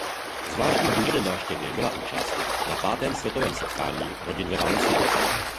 Zvláštním důvodem návštěvy byla účast na pátém světovém setkání rodin ve Valencii.